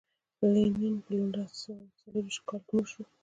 لینین په نولس سوه څلور ویشت کال کې مړ شو.